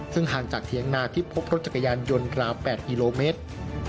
ซึ่งห่างจากเถียงนาที่พบรถจักรยานยนต์ราว๘กิโลเมตร